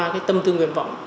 cái tâm tư nguyện vọng